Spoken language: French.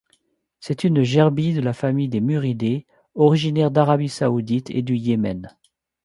C'est une gerbille de la famille des Muridés, originaire d'Arabie saoudite et du Yémen.